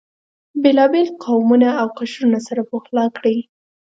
بېلابېل قومونه او قشرونه سره پخلا کړي.